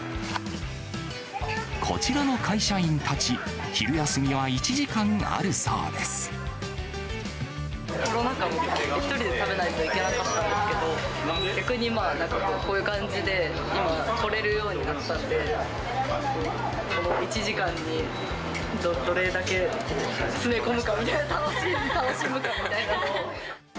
こちらの会社員たち、昼休みは１コロナ禍は１人で食べないといけなかったんですけど、逆にこういう感じで今、来れるようになったんで、１時間にどれだけ詰め込むかみたいな、楽しむかみたいな。